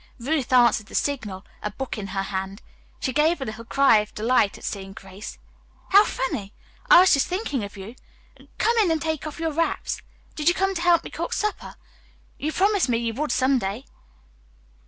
Ruth answered the signal, a book in her hand. She gave a little cry of delight at seeing Grace. "How funny! I was just thinking of you. Come in and take off your wraps. Did you come to help me cook supper? You promised me you would some day."